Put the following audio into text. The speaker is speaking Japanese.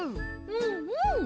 うんうん！